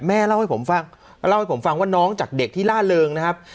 เล่าให้ผมฟังเล่าให้ผมฟังว่าน้องจากเด็กที่ล่าเริงนะครับ